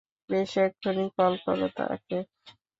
বেশ এক্ষুনি কল করো তাকে।